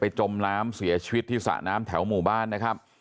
จมน้ำเสียชีวิตที่สระน้ำแถวหมู่บ้านนะครับ